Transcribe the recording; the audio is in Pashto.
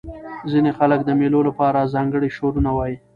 ځیني خلک د مېلو له پاره ځانګړي شعرونه وايي.